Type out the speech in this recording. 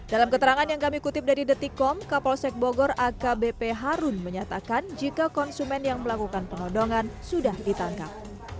dalam keterangan yang kami kutip dari detikom kapolsek bogor akbp harun menyatakan jika konsumen yang melakukan penodongan sudah ditangkap